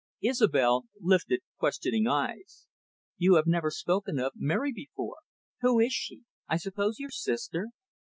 Isobel lifted questioning eyes. "You have never spoken of Mary before. Who is she? I suppose your sister?"